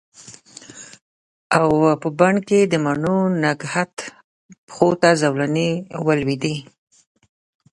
او په بڼ کې د مڼو د نګهت پښو ته زولنې ولویدې